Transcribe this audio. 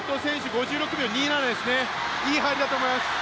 ５６秒２７ですね、いい入りだと思います。